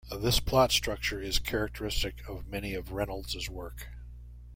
This plot structure is characteristic of many of Reynolds's works.